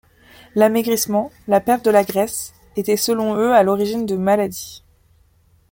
L'amaigrissement, la perte de la graisse, était selon eux à l'origine de maladies.